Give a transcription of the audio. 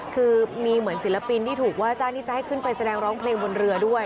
คือมีเหมือนศิลปินที่ถูกว่าจ้างที่จะให้ขึ้นไปแสดงร้องเพลงบนเรือด้วย